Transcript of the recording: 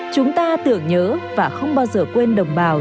chúng ta tưởng nhớ và không bao giờ quên đồng bào